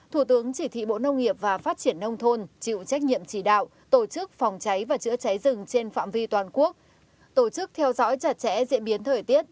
thủ tướng chỉ thị bộ nông nghiệp và phát triển nông thôn chịu trách nhiệm chỉ đạo tổ chức phòng cháy và chữa cháy rừng trên phạm vi toàn quốc tổ chức theo dõi chặt chẽ diễn biến thời tiết